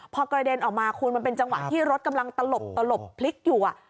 พอกระเด็นออกมาคุณมันเป็นจังหวะที่รถกำลังตลบตลบพลิกอยู่